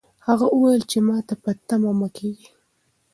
هغه وویل چې ماته په تمه مه کېږئ.